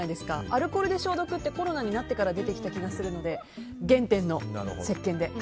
アルコールで消毒ってコロナになってから出てきた気がするので原点のせっけんで。